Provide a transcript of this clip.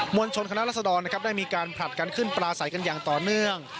วลชนคณะรัศดรนะครับได้มีการผลัดกันขึ้นปลาใสกันอย่างต่อเนื่อง